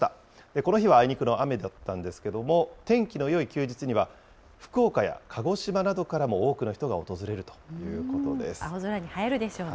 この日はあいにくの雨だったんですけれども、天気のよい休日には、福岡や鹿児島などからも多くの人青空に映えるでしょうね。